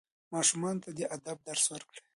ماشومانو ته د ادب درس ورکړئ.